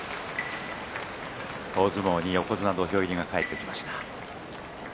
大相撲に横綱土俵入りが帰ってきました。